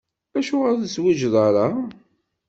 Acuɣer ur tezwiǧeḍ ara?